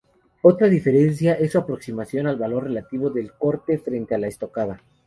Otra diferencia es su aproximación al valor relativo del corte frente a la estocada.